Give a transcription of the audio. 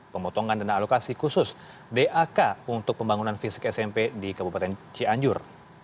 pemotongan dana alokasi khusus dak untuk pembangunan fisik smp di kabupaten cianjur